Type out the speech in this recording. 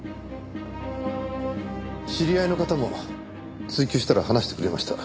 知り合いの方も追及したら話してくれました。